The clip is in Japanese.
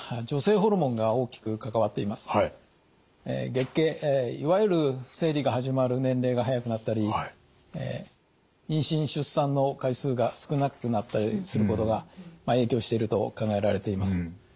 月経いわゆる生理が始まる年齢が早くなったり妊娠・出産の回数が少なくなったりすることが影響していると考えられています。